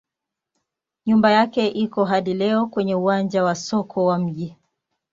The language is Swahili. Nyumba yake iko hadi leo kwenye uwanja wa soko wa mji.